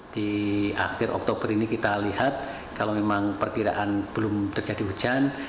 di akhir oktober ini kita lihat kalau memang perkiraan belum terjadi hujan